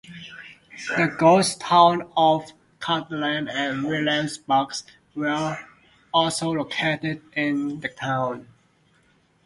The ghost towns of Cortland and Williamsburg were also located in the town.